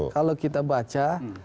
kalau kita baca